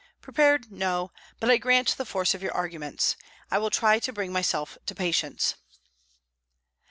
"Prepared, no. But I grant the force of your arguments. I will try to bring myself to patience."